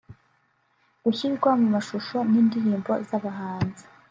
gushyirwa mu mashusho y’indirimbo z’abahanzi